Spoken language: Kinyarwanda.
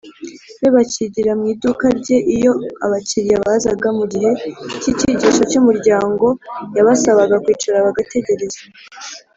Be bakigira mu iduka rye iyo abakiriya bazaga mu gihe cy icyigisho cy umuryango yabasabaga kwicara bagategereza